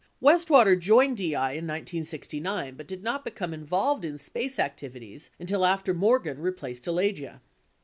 Westwater joined DI in 1969 but did not become involved in SPACE activities until after Morgan replaced Alagia.